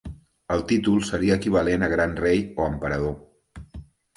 El títol seria equivalent a gran rei o emperador.